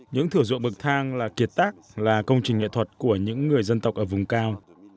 những thửa ruộng bậc thang là kiệt tác là công trình nghệ thuật của những người dân tộc ở vùng cao